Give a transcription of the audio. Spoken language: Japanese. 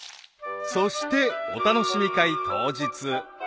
［そしてお楽しみ会当日］